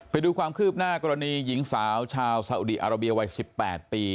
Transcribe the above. ไปดูความคืบหน้ากรณีหญิงสาวชาวซาอุดีอาราเบียวัย๑๘ปี